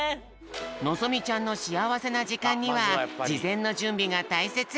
のぞみちゃんのしあわせなじかんにはじぜんのじゅんびがたいせつ。